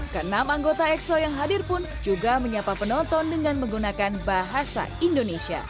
ke enam anggota exo yang hadir pun juga menyapa penonton dengan menggunakan bahasa indonesia